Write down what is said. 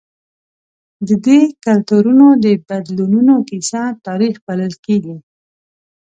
د دې کلتورونو د بدلونونو کیسه تاریخ بلل کېږي.